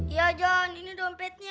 iya jon ini dompetnya